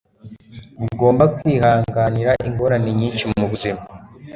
Ugomba kwihanganira ingorane nyinshi mubuzima.